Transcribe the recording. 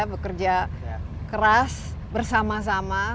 bekerja keras bersama sama